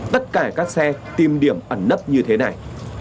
tất cả các xe tìm điểm ẩn nấp như thế này